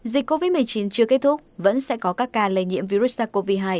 dịch covid một mươi chín chưa kết thúc vẫn sẽ có các ca lây nhiễm virus sars cov hai